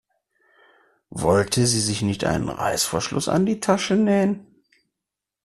Wollte sie sich nicht einen Reißverschluss an die Tasche nähen?